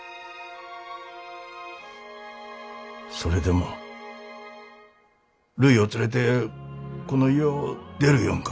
それでもるいを連れてこの家を出る言んか。